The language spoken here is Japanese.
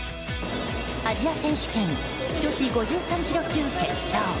アジア選手権女子５３ｋｇ級決勝。